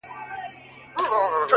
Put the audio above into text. • ستا په نوم به خیراتونه وېشل کېږي ,